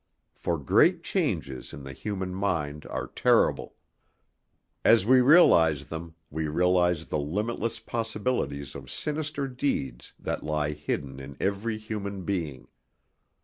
For great changes in the human mind are terrible. As we realize them we realize the limitless possibilities of sinister deeds that lie hidden in every human being.